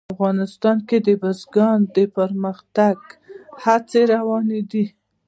افغانستان کې د بزګان د پرمختګ هڅې روانې دي.